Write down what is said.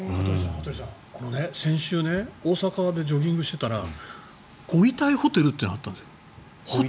羽鳥さん、先週大阪でジョギングしてたらご遺体ホテルというのがあったのよ。